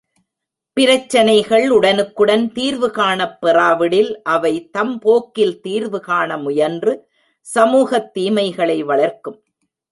பிரச்சனைகள் உடனுக்குடன் தீர்வு காணப் பெறாவிடில் அவை தம்போக்கில் தீர்வு காண முயன்று சமூகத் தீமைகளை வளர்க்கும்.